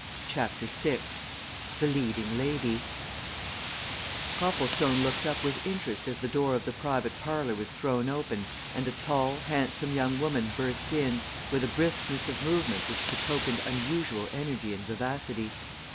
CHAPTER VI THE LEADING LADY Copplestone looked up with interest as the door of the private parlour was thrown open, and a tall, handsome young woman burst in with a briskness of movement which betokened unusual energy and vivacity.